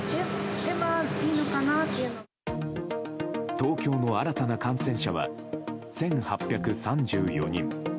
東京の新たな感染者は１８３４人。